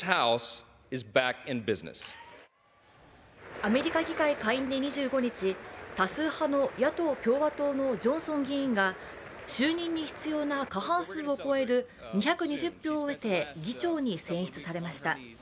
アメリカ議会下院で２５日、多数派の野党・共和党のジョンソン議員が就任に必要な過半数を超える２２０票を得て議長に選出されました。